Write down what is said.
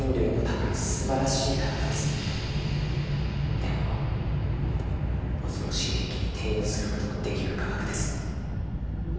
でも恐ろしい兵器に転用する事もできる科学です。